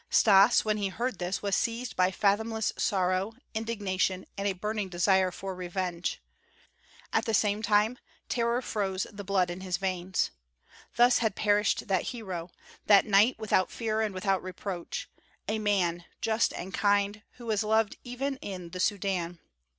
Stas, when he heard this, was seized by fathomless sorrow, indignation, and a burning desire for revenge; at the same time terror froze the blood in his veins. Thus had perished that hero, that knight without fear and without reproach; a man, just and kind, who was loved even in the Sudân.